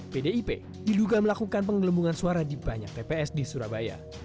pdip diduga melakukan penggelembungan suara di banyak tps di surabaya